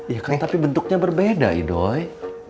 ya kan tapi bentuknya berbeda idoy